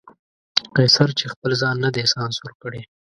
قیصر چې خپل ځان نه دی سانسور کړی.